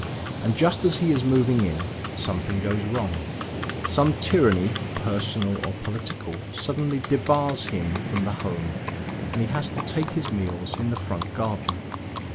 And just as he is moving in, something goes wrong. Some tyranny, personal or political, suddenly debars him from the home; and he has to take his meals in the front garden.